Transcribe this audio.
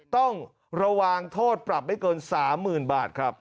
ต้องระวังโทษปรับไม่เกิน๓๐๐๐บาทครับ